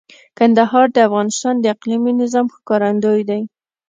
کندهار د افغانستان د اقلیمي نظام ښکارندوی دی.